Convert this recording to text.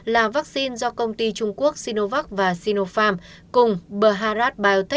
là vaccine do công ty trung quốc sinovac và sinopharm cùng bharat biotech của ấn độ phát triển